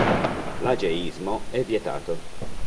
L'ageismo è vietato.